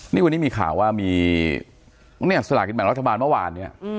นี่วันนี้มีข่าวว่ามีเนี่ยสลากินแบ่งรัฐบาลเมื่อวานเนี่ย